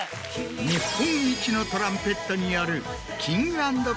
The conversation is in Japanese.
日本一のトランペットによる。